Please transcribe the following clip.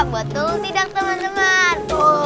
betul tidak teman teman